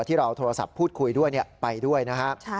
ที่เราโทรศัพท์พูดคุยด้วยไปด้วยนะครับ